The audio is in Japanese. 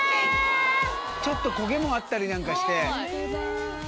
ちょっと焦げもあったりなんかして。